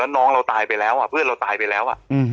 น้องเราตายไปแล้วเพื่อนเราตายไปแล้ว